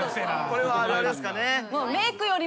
これはあるあるですかね。